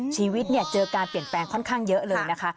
ชีวิตเจอการเปลี่ยนแปลงค่อนข้างเยอะเลยนะคะ